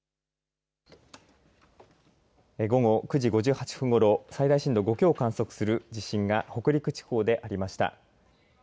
午後９時５８分ごろ最大震度５強を観測する地震が北陸地方でありました。